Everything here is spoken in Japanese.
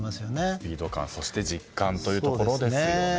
スピード感、そして実感というところですよね。